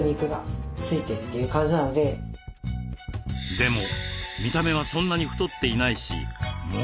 でも見た目はそんなに太っていないし問題ない。